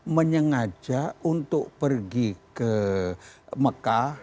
menyengaja untuk pergi ke mekah